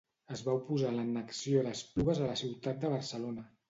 Es va oposar a l'annexió d'Esplugues a la ciutat de Barcelona.